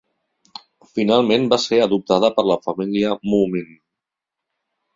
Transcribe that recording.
Finalment va ser adoptada per la família Moomin.